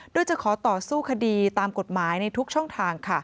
โดยจะขอต่อสู้คดีตามกฎหมายในทุกช่องทาง